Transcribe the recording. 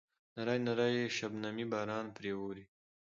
نری نری شبنمي باران پرې اوروي.